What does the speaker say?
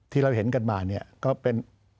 ที่เราเห็นกันมาเนี่ยก็เป็น